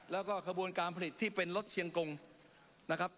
แล้วก็ขบวนการผลิตที่เป็นรถเชียงกงนะครับ